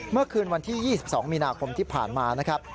เมื่อคืนวันที่๒๒มีนาคมที่ผ่านมานะครับ